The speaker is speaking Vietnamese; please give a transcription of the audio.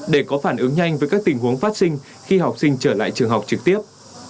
để có phản ứng nhanh với các tình huống phát sinh khi học sinh trở lại trường học trực tiếp